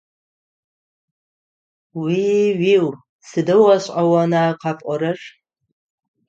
Уи-уиу! Сыдэу гъэшӏэгъона къапӏорэр!